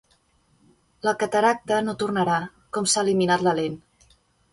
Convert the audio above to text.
La cataracta no tornarà, com s'ha eliminat la lent.